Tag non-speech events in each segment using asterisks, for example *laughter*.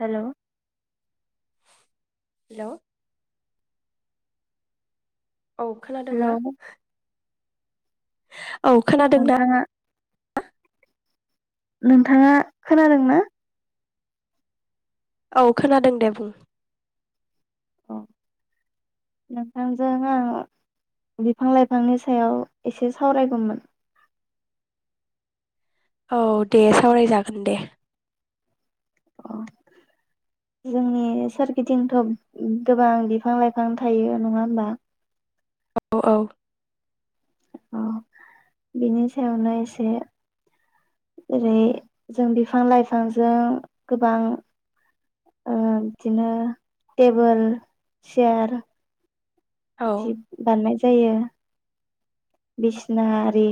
हेल'। Hello. औ hello खोनादोंना? औ खोनादों ना? नोंथाङा नोंथाङा खोनादों ना? औ खोनादों दे बुं। अ नोंथांजों आं बिफां-लाइफांनि सायाव एसे सावरायगौमोन। औ दे सावरायजागोन दे। अ जोंनि सोरगिदिंथ' गोबां बिफां-लाइफां थायो नङा होमबा। औ-औ। अ बिनि सायावनो एसे ओेरै जों बिफां लाइफांजों गोबां ओ बिदिनो टेबोल, सेयार औ जिब बाननाय जायो। बिसिना आरि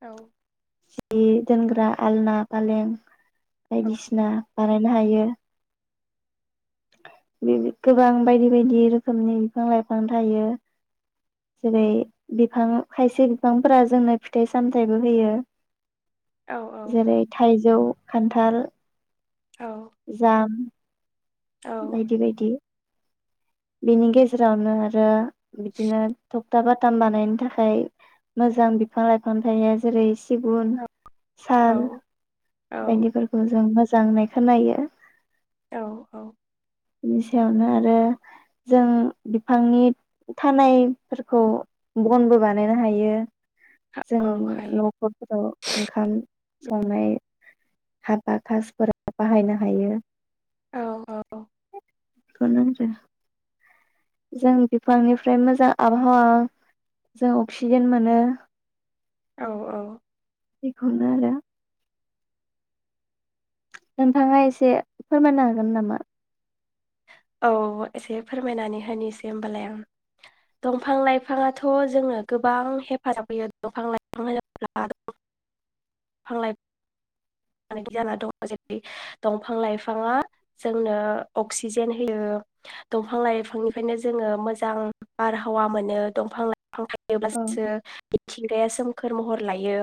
औ सि दोनग्रा आलना, फालें औ बायदिसिना बानायनो हायो। बिबि गोबां बायदि बायदि रोखोमनि बिफां लाइफां थायो। जेरै बिफां खायसे बिफांफोरा जोंनो फिथाइ सामथाइबो होयो। औ जेरै थाइजौ खान्थाल औ जाम औ बायदि बायदि। बिनि गेजेरावनो आरो बिदिनो थखथा बाथाम बानायनो थाखाय मोजां बिफां लाइफां थायो जेरै सिगुन, साल बायदिफोरखौ जों मोज जांनाय खोनायो। औ औ बिनि सायावनो आरो जों बिफांनि थानायफोरखौ बनबो बानायनो हायो। औ जोंनि हायो नखरफोराव ओंखाम संनाय हाबा खाजफोराव बाहायनो हायो। औ औ खोनो होदो जों बिफांनिफ्राय मोजां आबहावा जों अक्सिजेन मोनो। औ औ बेखौनो आरो नोंथाङा एसे फोरमायनो हागोन नामा? औ एसे फोरमायनानै होनोसै होमबालाय आं दंफां लाइफाङाथ जोंङो गोबां हेफाजाब होयो दंफां लाइफां होनोब्ला दंफां लाइफां *unintelligible* जाना दं जेरै दंफां लाइफाङा जोंनो अक्सिजेन होयो दंफां लाइफांनिफ्रायनो जोंङो मोजां बारहावा मोनो दंफां लाइफ खौ औ गायोब्लासो मिथिंगाया सोमखोर महर लायो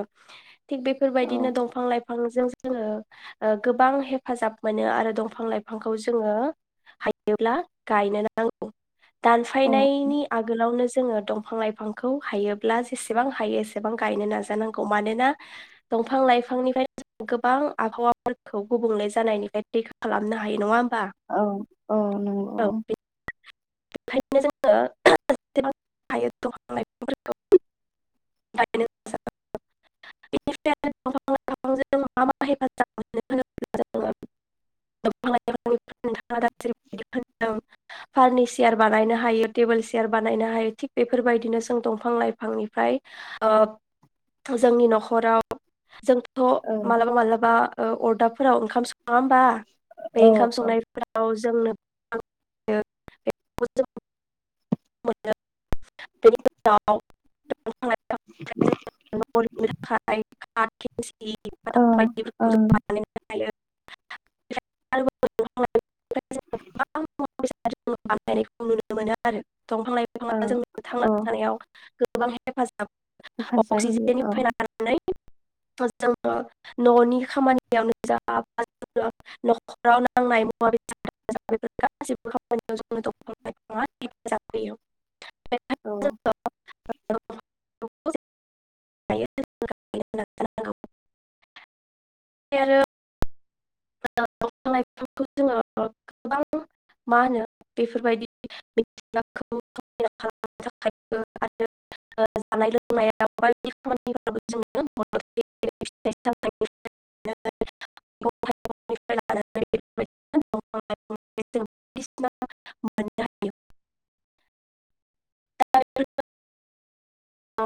थिग औ बेफोरबायदिनो दंफां लाइफांजों जोंङो ओ गोबां हेफाजाब मोनो आरो दंफां लाइफांखौ जोंङो हायोब्ला गायनो नांगौ। दानफायनायनि आगोलावनो ज जोंङो दंफां लाइफांखौ हायोब्ला जेसेबां हायो एसेबां गायनो नाजानांगौ मानोना दंफां लाइफांनिफ्राय गोबां आबहावाफोरखौ गुबुंले जानायनिफ्राय रैखा खालामनो हायो नंङा होम औ औ नंगौ। *unintelligible* चेयार बानायनो हायो टेबोल चेयार बानायनो हायो थिग बेफोरबायदिनो जों दंफां लाइफांनिफ्राय ओब जोंनि न'खराव जों थ' औ मालाबा मालाबा ओ अदाबफोर ओंखाम स होमबा औ बे ओंखाम औ संनायफोराव जोंनो *inaudible* *unintelligible* *unintelligible* *unintelligible* *unintelligible* औ *unintelligible* *unintelligible* *unintelligible* *unintelligible* दंफां लाइफां औ आ जों बे औ थांनानै थानायाव गोबां हेफाजाब हेफाजाब अक्सिजेननि होयो फ्रायलानानै जोङो न'नि खामानियावनो जा बा न'खराव नांनाय मुवा बेसाद बेफोर गाैसैबो खामानियाव दंफां लाइफांआ हेफाजाब होयो। औ *unintelligible* ओमफ्राय आरो दंफां लाइफांखौ जोङो गोबां मा होनो बेफोरबायदि *unintelligible* *unintelligible*